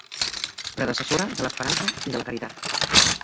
Predecessora de l'esperança i de la caritat.